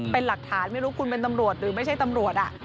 เป็นหลักฐานไม่รู้คุณเป็นตำรวจหรือไม่ใช่ตำรวจ